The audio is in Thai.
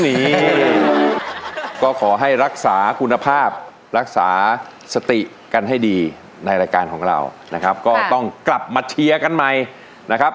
วันนี้ก็ขอให้รักษาคุณภาพรักษาสติกันให้ดีในรายการของเรานะครับก็ต้องกลับมาเชียร์กันใหม่นะครับ